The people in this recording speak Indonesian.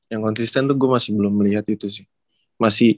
yang konsisten tuh gue masih belum melihat itu sih